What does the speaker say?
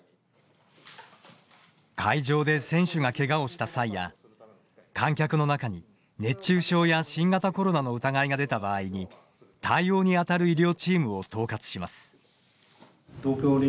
会場で、選手がけがをした際や観客の中に熱中症や新型コロナの疑いが出た場合に対応に当たる医療チームを統括します。